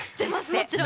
もちろん。